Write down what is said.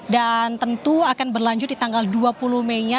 dan tentu akan berlanjut di tanggal dua puluh may nya